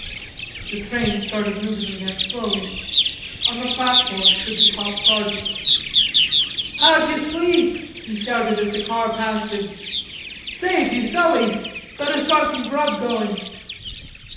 The train started moving again slowly. On the platform stood the top sergeant. "How d'ye sleep," he shouted as the car passed him. "Say, Fuselli, better start some grub going."